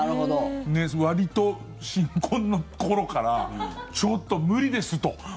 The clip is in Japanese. わりと新婚の頃からちょっと無理ですと。